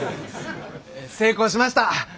成功しました！